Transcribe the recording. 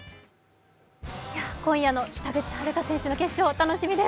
今夜の北口榛花選手の決勝、楽しみです。